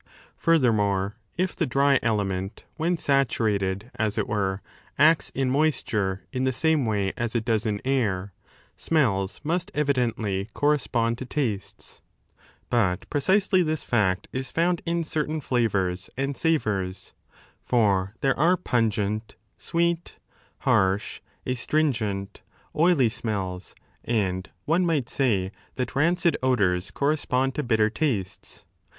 Furthermore, if the dry element, when saturated, as it were, acts in moisture in the same way as it does in air, smells must evidently correspond to tastes. But precisely this fact is found in 10 certain flavours and savours. For there are pungent, sweet, harsh, astringent, oily smells, and one might say that rancid odours correspond to bitter tastes.